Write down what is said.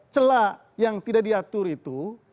celah yang tidak diatur itu